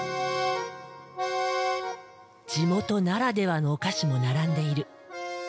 地元ならではのお菓子も並んでいる。